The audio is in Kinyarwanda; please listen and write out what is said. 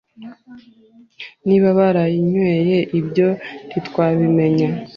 niba barayinyweye ibyo ntitwabimenye